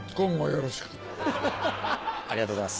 ありがとうございます。